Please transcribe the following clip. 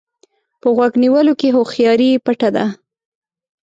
په غوږ نیولو کې هوښياري پټه ده.